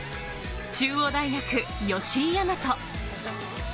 中央大学、吉居大和。